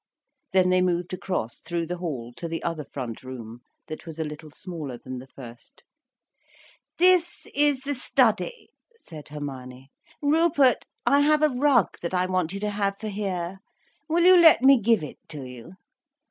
Then they moved across, through the hall, to the other front room, that was a little smaller than the first. "This is the study," said Hermione. "Rupert, I have a rug that I want you to have for here. Will you let me give it to you?